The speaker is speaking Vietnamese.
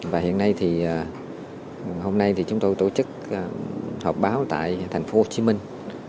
và hiện nay thì hôm nay thì chúng tôi tổ chức họp báo tại thành phố hồ chí minh